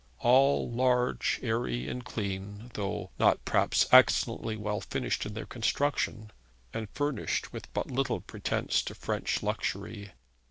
All large, airy, and clean, though, perhaps, not excellently well finished in their construction, and furnished with but little pretence to French luxury.